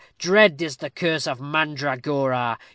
Dread is the curse of mandragora!